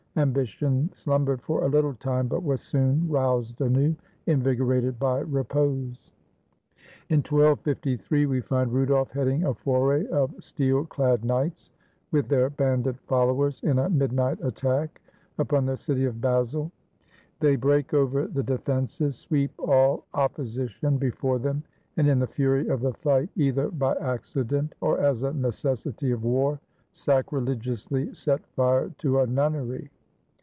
Ambition slumbered for a little time, but was soon roused anew, invigorated by repose. In 1253, we find Rudolf heading a foray of steel clad knights, with their banded followers, in a midnight attack upon the city of Basle. They break over the defenses, sweep all opposition before them, and in the fury of the fight, either by accident or as a necessity of war, sacrilegiously set fire to a nunnery.